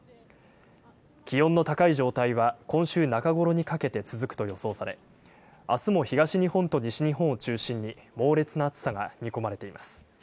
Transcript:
気温の高い状態は今週中ごろにかけて続くと予想され、あすも東日本と西日本を中心に猛烈な暑さが見込まれています。